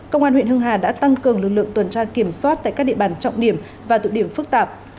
công an huyện hưng hà đã tăng cường lực lượng tuần tra kiểm soát tại các địa bàn trọng điểm và tụ điểm phức tạp